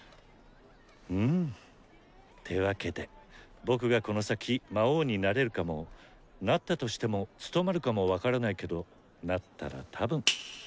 うん！ってわけで僕がこの先魔王になれるかもなったとしても務まるかも分からないけどなったら多分。